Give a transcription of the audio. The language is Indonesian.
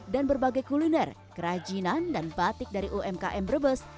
dan berbagai kuliner kerajinan dan batik dari umkm brebes